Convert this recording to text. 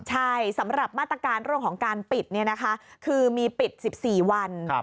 ใช่สำหรับมาตรการเรื่องของการปิดคือมีปิด๑๔วัน